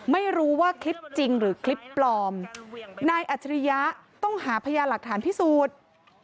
ไม่รู้ว่าคลิปจริงหรือคลิปปลอมนายอัจฉริยะต้องหาพยานหลักฐานพิสูจน์